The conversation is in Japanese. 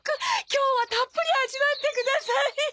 今日はたっぷり味わってください。